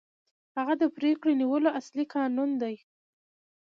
هغه د پرېکړې نیولو اصلي کانون دی.